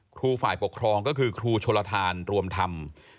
ครูฝ่ายปกครองก็คือครูชนลทานรวมธรรม